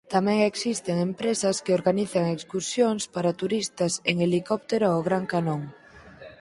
Tamén existen empresas que organizan excursións para turistas en helicóptero ao Gran Canón.